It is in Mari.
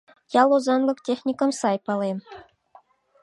— Ял озанлык техникым сай палем.